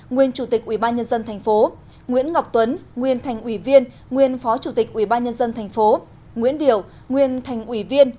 nguyên chủ tịch ubnd tp nguyễn ngọc tuấn nguyên thành ủy viên nguyên phó chủ tịch ubnd tp nguyễn điểu nguyên thành ủy viên